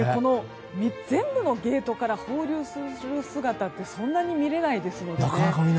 全部のゲートから放流する姿ってそんなに見れないと思うんです。